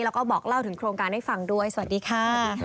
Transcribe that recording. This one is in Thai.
แล้วก็บอกเล่าถึงโครงการให้ฟังด้วยสวัสดีค่ะ